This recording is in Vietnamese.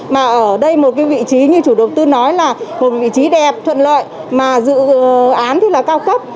mà ở đây một cái vị trí như chủ đầu tư nói là một vị trí đẹp thuận lợi mà dự án rất là cao cấp